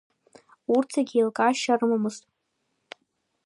Урҭ зегьы еилкаашьа рымамызт.